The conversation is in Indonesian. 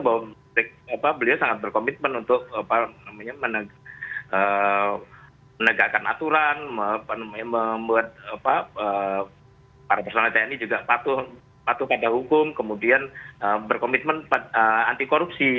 bahwa beliau sangat berkomitmen untuk menegakkan aturan membuat para personal tni juga patuh pada hukum kemudian berkomitmen anti korupsi